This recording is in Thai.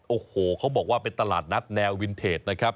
โอ้โหเขาบอกว่าเป็นตลาดนัดแนววินเทจนะครับ